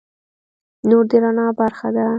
نور د رڼا برخه ده.